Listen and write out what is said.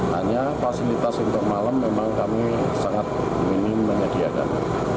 hanya fasilitas untuk malam memang kami sangat minim menyediakan